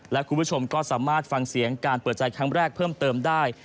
และคุณผู้ชมก็สามารถฟังเสียงการเปิดใจครั้งแรกเพิ่มเติมได้